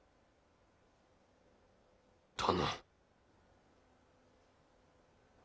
殿。